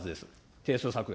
定数削減。